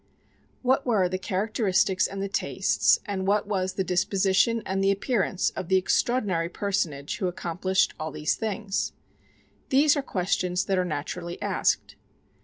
What were the characteristics and the tastes, and what was the disposition and the appearance of the extraordinary personage who accomplished all these things? These are questions that are naturally asked.